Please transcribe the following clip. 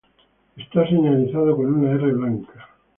Está señalizado con una "R" blanca.